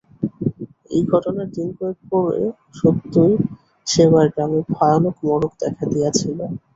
এই ঘটনার দিন কয়েক পরে সত্যই সেবার গ্রামে ভয়ানক মড়ক দেখা দিয়াছিল।